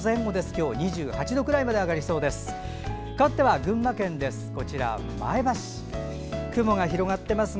今日は２８度くらいまで上がりそうです。